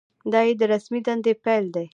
دا یې د رسمي دندې پیل دی.